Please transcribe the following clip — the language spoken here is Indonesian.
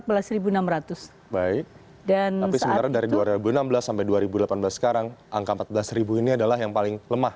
tapi sementara dari dua ribu enam belas sampai dua ribu delapan belas sekarang angka empat belas ini adalah yang paling lemah